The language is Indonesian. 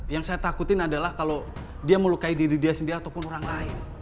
yang saya takutin adalah kalau dia melukai diri dia sendiri ataupun orang lain